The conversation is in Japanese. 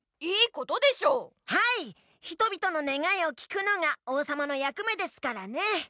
人々のねがいを聞くのが王さまのやく目ですからね！